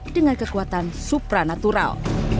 dengan kekuatan supranatural